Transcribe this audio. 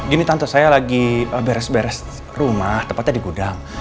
gini tante saya lagi beres beres rumah tepatnya di gudang